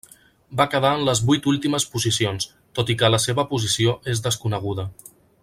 Va quedar en les vuit últimes posicions, tot i que la seva posició és desconeguda.